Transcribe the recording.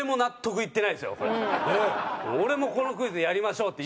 俺もこのクイズやりましょうって言った手前。